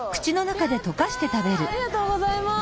ありがとうございます。